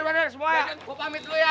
ya udah semua ya gue pamit lo ya